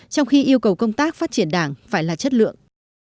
trong khi yêu cầu công tác phát triển đảng phải là chất lượng